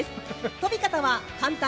飛び方は簡単。